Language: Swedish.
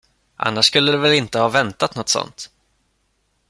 Annars skulle du väl inte ha väntat något sådant.